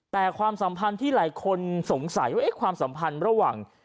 แต่ความสัมพันธ์ที่หลายคนสงสัยว่าความสัมพันธ์ระหว่าง